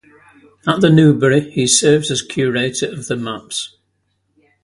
At the Newberry he serves as Curator of Maps.